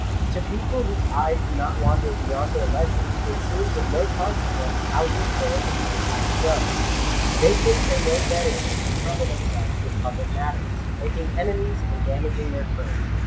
To people whose eyes do not wander beyond their ledgers, it seems of no consequence how the affairs of mankind go. They think they know better than to trouble themselves with public matters, making enemies and damaging their trade.